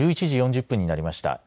１１時４０分になりました。